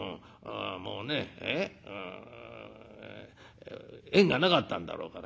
もうね縁がなかったんだろうから。